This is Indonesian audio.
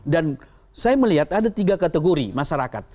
dan saya melihat ada tiga kategori masyarakat